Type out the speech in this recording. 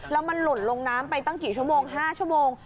แล้วมันหล่นลงน้ำไปตั้งกี่ชั่วโมง๕ชั่วโมง